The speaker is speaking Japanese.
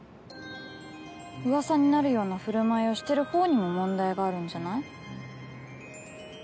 うわさになるような振る舞いをしてるほうにも問題があるんじゃない？